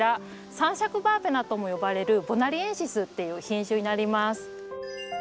三尺バーベナとも呼ばれるボナリエンシスっていう品種になります。